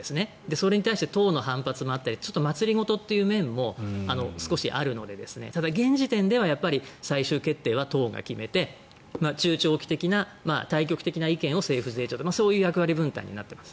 それに対して党の反発もあったりまつり事という面も少しあるのでただやっぱり、現時点では最終決定は党が決めて中長期的な対極的な意見を政府税調というそういう役割分担になっています。